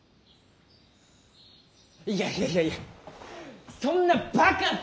いやいやいやいやそんなバカな。